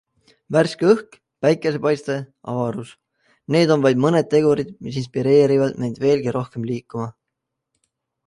Värske õhk, päikesepaiste, avarus - need on vaid mõned tegurid, mis inspireerivad meid veelgi rohkem liikuma.